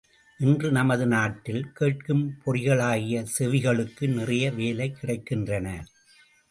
இன்று நமது நாட்டில், கேட்கும் பொறிகளாகிய செவிகளுக்கு, நிறைய வேலை கிடைக்கின்றன.